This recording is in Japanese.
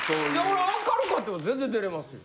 俺明るかっても全然寝れますよ。